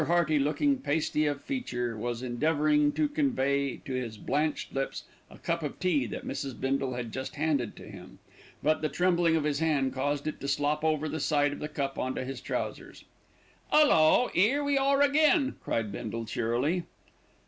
Hearty, looking pasty of feature, was endeavouring to convey to his blanched lips a cup of tea that Mrs. Bindle had just handed to him; but the trembling of his hand caused it to slop over the side of the cup on to his trousers. "'Ullo, 'ere we are again," cried Bindle cheerily.